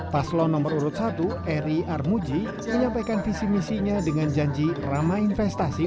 paslon nomor urut satu eri armuji menyampaikan visi misinya dengan janji ramah investasi